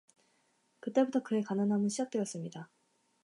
그 때부터 그의 가난함은 시작되었습니다.